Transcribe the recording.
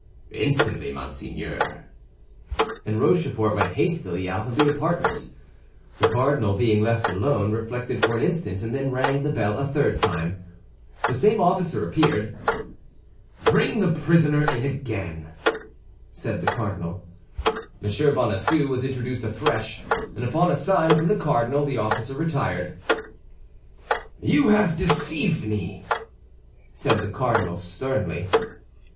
"Instantly, monseigneur." And Rochefort went hastily out of the apartment. The cardinal, being left alone, reflected for an instant and then rang the bell a third time. The same officer appeared. "Bring the prisoner in again," said the cardinal. M. Bonacieux was introduced afresh, and upon a sign from the cardinal, the officer retired. "You have deceived me!" said the cardinal, sternly.